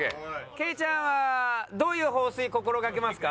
ケイちゃんはどういう放水心がけますか？